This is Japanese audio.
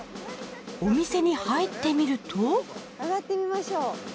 お店に入ってみると上がってみましょう。